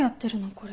これ。